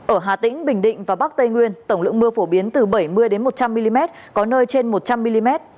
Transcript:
ở hà tĩnh bình định và bắc tây nguyên tổng lượng mưa phổ biến từ bảy mươi một trăm linh mm có nơi trên một trăm linh mm